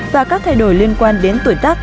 và các thay đổi liên quan đến tuổi tác